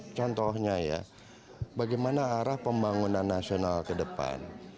contohnya ya bagaimana arah pembangunan nasional kedepan